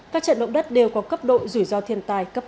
các trận động đất đều có cấp độ rủi ro thiên tai cấp ba